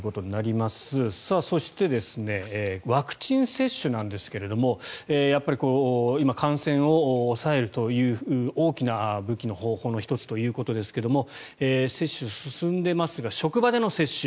そして、ワクチン接種なんですがやっぱり今、感染を抑えるという大きな武器、方法の１つということですが接種が進んでいますが職場での接種。